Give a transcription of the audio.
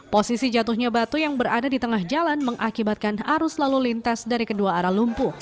posisi jatuhnya batu yang berada di tengah jalan mengakibatkan arus lalu lintas dari kedua arah lumpuh